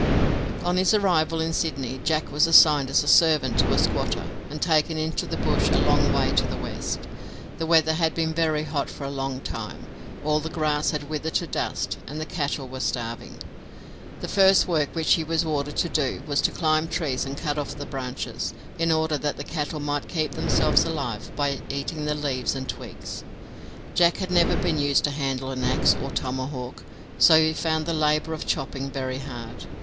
On his arrival n Sydney, Jack was assigned as a servant to a squatter, and taken into the bush a long way to the west. The weather had been very hot for a long time, all the grass had withered to dust, and the cattle were starving. The first work which he was ordered to do was to climb trees and cut off the branches, in order that the cattle might keep themselves alive by eating the leaves and twigs. Jack had never been used to handle an axe or tomahawk, so he found the labour of chopping very hard.